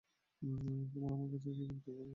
তোমরা আমার কাছে এ কেমন অযৌক্তিক প্রস্তাব নিয়ে এসেছো?